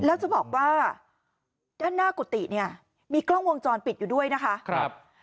แล้วจะบอกว่าด้านหน้ากุฏิเนี่ยมีกล้องวงจรปิดอยู่ด้วยนะคะครับ